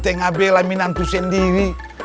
nggak belakang menantu sendiri